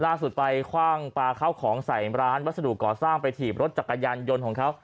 ล่าสุดไปคว่างปลาเข้าของใส่ร้านวัสดุก่อสร้างไปถีบรถจักรยานยนต์ของเขา